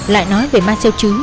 lại nói về ma xeo trứng